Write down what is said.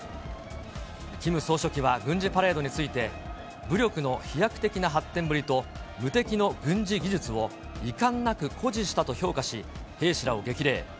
キム総書記は軍事パレードについて、武力の飛躍的な発展ぶりと、無敵の軍事技術を遺憾なく誇示したと評価し、兵士らを激励。